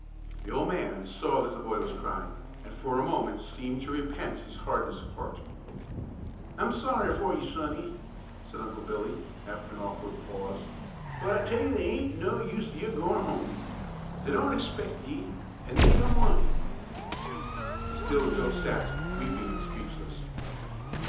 The old man saw that the boy was crying, and for a moment seemed to repent his hardness of heart. "I'm sorry for ye, sonny," said Uncle Billy, after an awkward pause; "but I tell ye they aint no use o' yer goin' hum; they don't ixpect ye, an' they don't want ye." Still Joe sat, weeping and speechless.